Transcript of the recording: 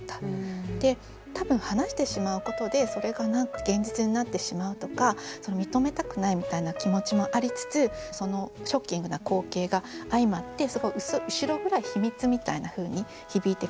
多分話してしまうことでそれが現実になってしまうとか認めたくないみたいな気持ちもありつつそのショッキングな光景が相まって後ろ暗い秘密みたいなふうに響いてくる。